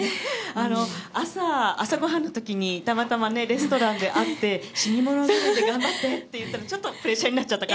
朝、朝ご飯の時にたまたまレストランであって死に物狂いで頑張ってって言ったのちょっとプレッシャーになっちゃったかな？